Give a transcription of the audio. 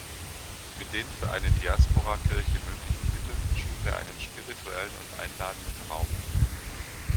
Mit den für eine Diaspora-Kirche möglichen Mitteln schuf er einen spirituellen und einladenden Raum.